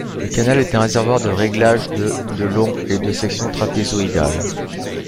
Le canal est un réservoir de réglage de de long et de section trapézoïdale.